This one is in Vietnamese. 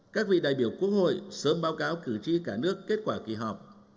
các vị đại biểu quốc hội sớm báo cáo cử tri cả nước kết quả kỳ họp